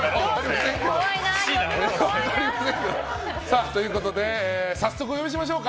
怖いな、今日。ということで早速、お呼びしましょうか。